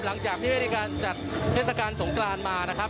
หลังจากพี่ตัวรีการจัดเทศกาลสงกรานซ์มา